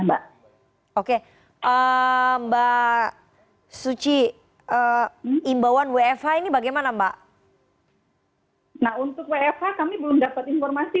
mbak oke mbak suci imbauan wfh ini bagaimana mbak nah untuk wfh kami belum dapat informasi